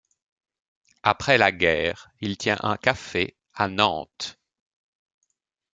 Après la guerre il tient un café à Nantes.